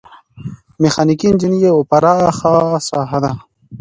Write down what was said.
میخانیکي انجنیری یوه پراخه ساحه ده.